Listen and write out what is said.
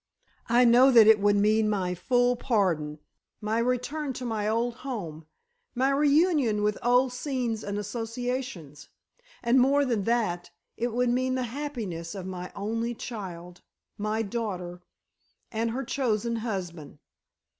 I know that it would mean my full pardon, my return to my old home, my reunion with old scenes and associations. And more than that, it would mean the happiness of my only child—my daughter—and her chosen husband.